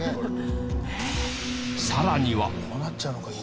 さらには！